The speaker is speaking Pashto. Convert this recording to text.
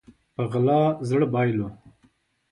په غلا زړه بايلو